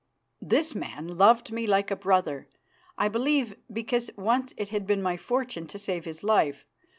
This man loved me like a brother, I believe because once it had been my fortune to save his life.